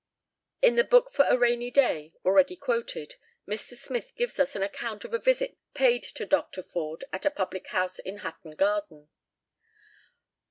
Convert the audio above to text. In the 'Book for a Rainy Day,' already quoted, Mr. Smith gives us an account of a visit paid to Dr. Forde at a public house in Hatton Garden.